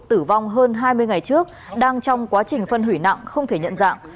tử vong hơn hai mươi ngày trước đang trong quá trình phân hủy nặng không thể nhận dạng